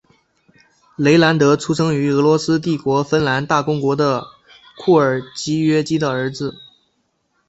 雷兰德出生于俄罗斯帝国芬兰大公国的库尔基约基的儿子。